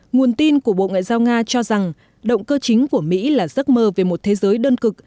nguồn tin của bộ ngoại giao nga cho rằng động cơ chính của mỹ là giấc mơ về một thế giới đơn cực